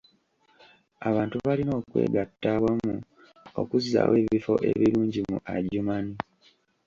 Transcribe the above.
Abantu balina okwegatta awamu okuzzaawo ebifo ebirungi mu Adjumani.